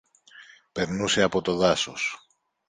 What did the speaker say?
Περνούσε από το δάσος.